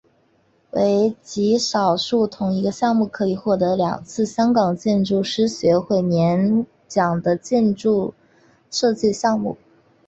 为极少数同一个项目可以获两次香港建筑师学会年奖的建筑设计项目。